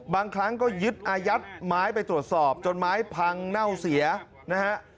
บางครั้งก็ยึดอายัดไม้ไปตรวจสอบจนไม้พังเน่าเสียนะฮะ